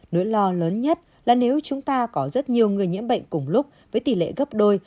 nỗi lo lớn nhất là nếu chúng ta có rất nhiều người nhiễm bệnh cùng lúc với tỷ lệ gấp đôi